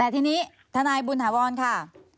ทีนี้ทนายบุญถาวรค่ะ